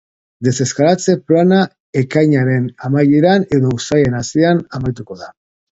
Deseskalatze plana ekainaren amaieran edo uztailaren hasieran amaituko da.